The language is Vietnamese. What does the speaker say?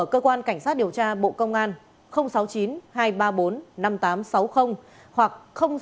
cơ quan cảnh sát điều tra bộ công an sáu mươi chín hai trăm ba mươi bốn năm nghìn tám trăm sáu mươi hoặc sáu mươi chín hai trăm ba mươi hai một nghìn sáu trăm bảy